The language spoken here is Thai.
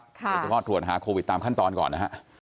รายละเอียดก่อนนะครับโดยพอร์ตถ่วนฮาโควิดตามขั้นตอนก่อนนะฮะ